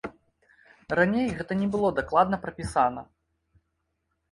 Раней гэта не было дакладна прапісана.